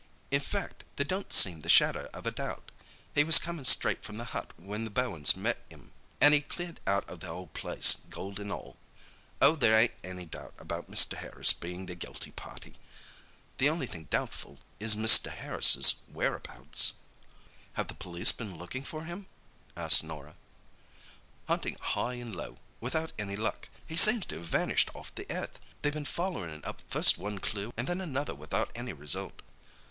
"In fact, there don't seem the shadder of a doubt. He was comin' straight from the hut when the Bowens met 'im—an' he'd cleared out the whole place, gold an' all. Oh, there ain't any doubt about Mr. Harris bein' the guilty party. The only thing doubtful is Mr. Harris's whereabouts." "Have the police been looking for him?" asked Norah. "Huntin' high an' low—without any luck. He seems to have vanished off the earth. They've bin follerin' up first one clue and then another without any result.